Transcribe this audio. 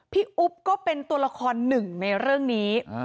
อุ๊บก็เป็นตัวละครหนึ่งในเรื่องนี้